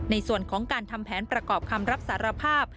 ในส่วนของการทำแผนประกอบคำรับสารภาพ